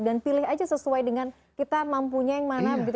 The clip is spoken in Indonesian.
dan pilih aja sesuai dengan kita mampunya yang mana gitu ya pak gaya